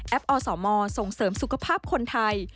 อสมส่งเสริมสุขภาพคนไทย